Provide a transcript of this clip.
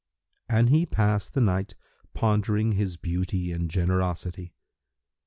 And he passed the night, pondering his beauty and generosity.